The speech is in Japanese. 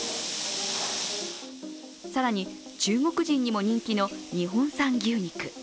更に中国人にも人気の日本産牛肉。